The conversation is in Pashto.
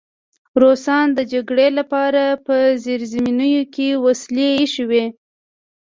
روسانو د جګړې لپاره په زیرزمینیو کې وسلې ایښې وې